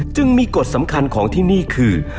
จึงมีกฎสำคัญของที่นี่คือ